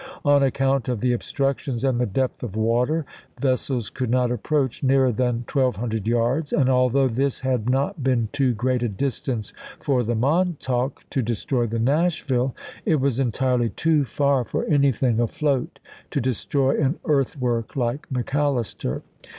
On account of the obstructions and the depth of water, vessels could not approach nearer than 1200 yards, and although this had not been too great a distance for the Montauk to destroy the Nashville it was entirely too far for anything afloat to destroy an earthwork like Mc Allister.